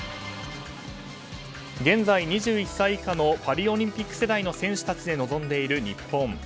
現在２１歳以下のパリオリンピック世代の選手たちで臨んでいる日本。